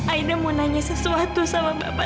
aida mau nanya sesuatu sama bapak